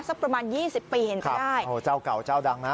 สักประมาณ๒๐ปีเห็นก็ได้เจ้าเก่าเจ้าดังนะ